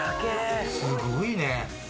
すごいね。